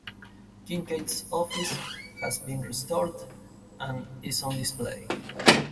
Kinkaid's office has been restored and is on display.